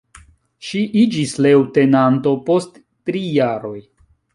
Ŝi iĝis leŭtenanto, post tri jaroj.